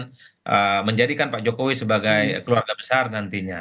dan menjadikan pak jokowi sebagai keluarga besar nantinya